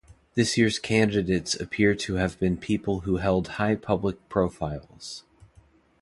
This year's candidates appear to have been people who held high public profiles.